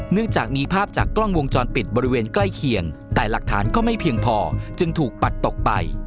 จากมีภาพจากกล้องวงจรปิดบริเวณใกล้เคียงแต่หลักฐานก็ไม่เพียงพอจึงถูกปัดตกไป